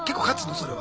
それは。